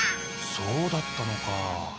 そうだったのか。